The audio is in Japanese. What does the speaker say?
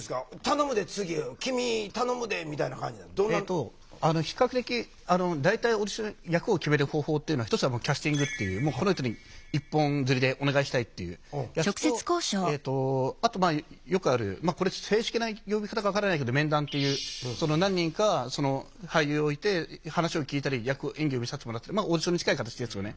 えっと比較的大体オーディション役を決める方法っていうのは１つはキャスティングっていうこの人に一本釣りでお願いしたいっていうやつとあとまあよくあるこれ正式な呼び方か分からないけど面談っていう何人か俳優を置いて話を聞いたり演技を見させてもらったりオーディションに近い形ですよね。